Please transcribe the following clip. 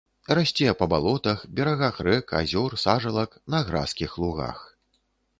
Расце па балотах, берагах рэк, азёр, сажалак, на гразкіх лугах.